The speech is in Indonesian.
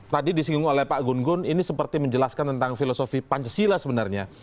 tadi disinggung oleh pak gun gun ini seperti menjelaskan tentang filosofi pancasila sebenarnya